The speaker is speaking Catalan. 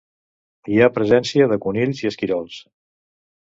Hi ha presència de conills i esquirols.